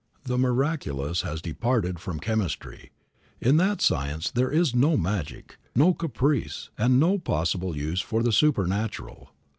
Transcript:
The miraculous has departed from chemistry; in that science there is no magic, no caprice and no possible use for the supernatural.